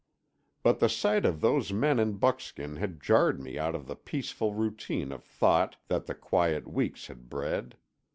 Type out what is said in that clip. But the sight of those men in buckskin had jarred me out of the peaceful routine of thought that the quiet weeks had bred.